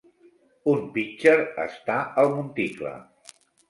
Un pitcher està al monticle.